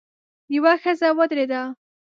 يوه ښځه ودرېده.